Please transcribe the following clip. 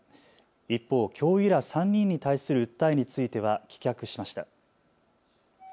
一方、教諭ら３人に対する訴えについては棄却しました。